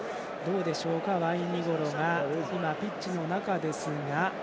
ワイニゴロが、ピッチの中ですが。